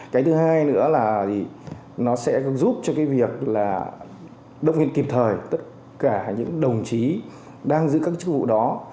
cái thứ hai nữa là nó sẽ giúp cho việc đồng nghiệp kịp thời tất cả những đồng chí đang giữ các chức vụ đó